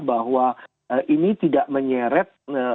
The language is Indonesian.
bahwa ini tidak menyeret